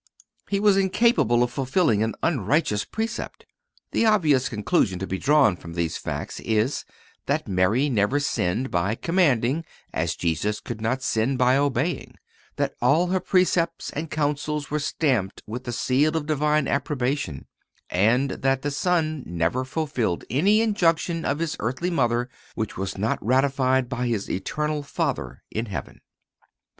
He was incapable of fulfilling an unrighteous precept. The obvious conclusion to be drawn from these facts is, that Mary never sinned by commanding, as Jesus could not sin by obeying; that all her precepts and counsels were stamped with the seal of Divine approbation, and that the Son never fulfilled any injunction of His earthly Mother which was not ratified by His Eternal Father in heaven.